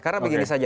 karena begini saja